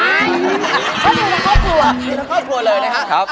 เขามีทั้งครอบครัวมีทั้งครอบครัวเลยนะครับ